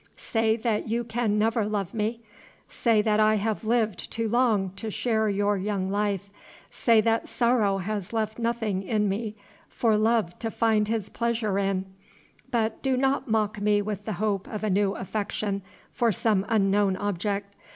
Say that you can never love me; say that I have lived too long to share your young life; say that sorrow has left nothing in me for Love to find his pleasure in; but do not mock me with the hope of a new affection for some unknown object.